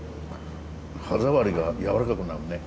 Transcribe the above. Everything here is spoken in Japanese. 歯触りがやわらかくなるね